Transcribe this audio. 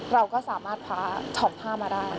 เราก็สามารถพาถอมภามาได้